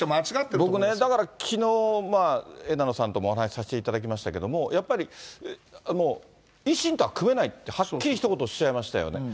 僕ね、だからきのう、枝野さんともお話しさせていただきましたけれども、やっぱりもう、維新とは組めないって、はっきりひと言おっしゃいましたよね。